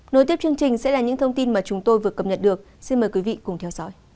nối tiếp chương trình sẽ là những thông tin mà chúng tôi vừa cập nhật được xin mời quý vị cùng theo dõi